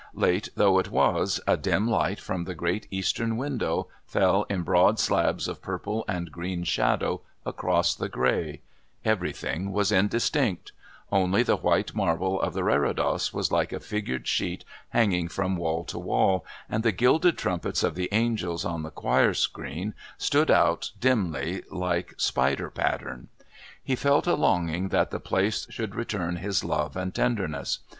Late though it was, a dim light from the great East window fell in broad slabs of purple and green shadow across the grey; everything was indistinct; only the white marble of the Reredos was like a figured sheet hanging from wall to wall, and the gilded trumpets of the angels on the choir screen stood out dimly like spider pattern. He felt a longing that the place should return his love and tenderness.